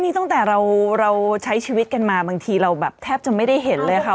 นี่ตั้งแต่เราใช้ชีวิตกันมาบางทีเราแบบแทบจะไม่ได้เห็นเลยค่ะ